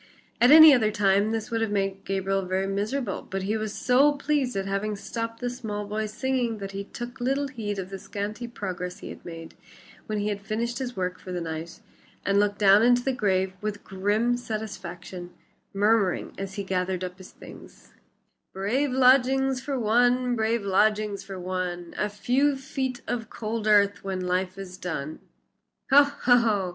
At any other time this would have made Gabriel very miserable, but he was so pleased at having stopped the small boy's singing that he took little heed of the scanty progress he had made when he had finished work for the night, and looked down into the grave with grim satisfaction, murmuring as he gathered up his things: "Brave lodgings for one, brave lodgings for one, A few feet of cold earth when life is done." "Ho! ho!"